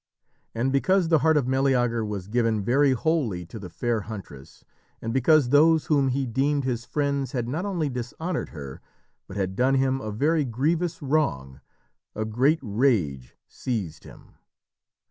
And because the heart of Meleager was given very wholly to the fair huntress, and because those whom he deemed his friends had not only dishonoured her, but had done him a very grievous wrong, a great rage seized him.